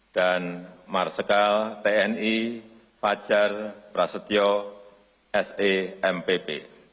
dan marsikal tni pajar prasetyo s a m p p